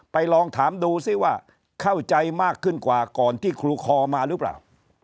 ลองถามดูซิว่าเข้าใจมากขึ้นกว่าก่อนที่ครูคอมาหรือเปล่า